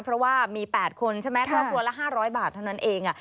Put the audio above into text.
เพราะว่ามี๘คนใช่ไหมครอบครัวละ๕๐๐บาทเท่านั้นเอง